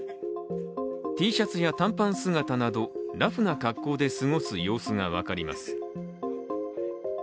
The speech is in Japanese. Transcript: Ｔシャツや短パン姿などラフな格好で過ごす様子が分かります。